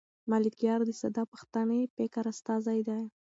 ملکیار د ساده پښتني فکر استازی دی.